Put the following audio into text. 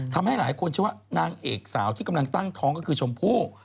ทำให้หลายคนเชื่อว่านางเอกสาวที่กำลังตั้งท้องก็คือชมพู่